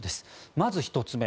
まず１つ目。